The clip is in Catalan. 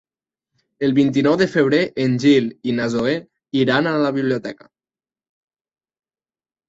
El vint-i-nou de febrer en Gil i na Zoè iran a la biblioteca.